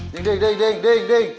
ding ding ding ding ding